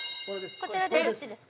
こちらでよろしいですか？